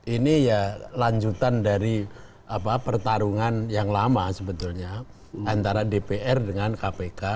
ini ya lanjutan dari pertarungan yang lama sebetulnya antara dpr dengan kpk